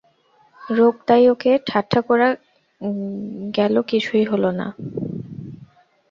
রোগ তাই ওকে ঠাট্টা করে গেল, কিছুই হল না।